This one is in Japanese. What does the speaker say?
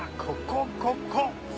ここここ。